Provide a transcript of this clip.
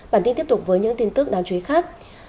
bản tin tiếp tục với những tin tức đáng chú ý khác